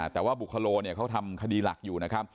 แต่ว่าบุคโลเขาทำคดีหลักอยู่นะครับ